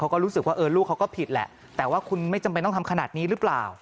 ก็รู้สึกว่าเออลูกเขาก็ผิดแหละแต่ว่าคุณไม่จำเป็นต้องทำขนาดนี้หรือเปล่า